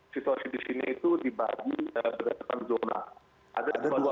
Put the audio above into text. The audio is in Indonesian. situasi di sini itu dibagi berdasarkan zona